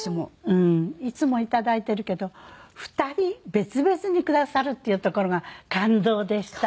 「うん。いつも頂いているけど２人別々にくださるっていうところが感動でした」